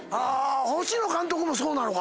星野監督もそうなのか？